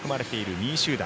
２位集団。